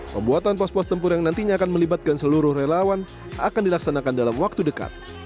pembuatan pos pos tempur yang nantinya akan melibatkan seluruh relawan akan dilaksanakan dalam waktu dekat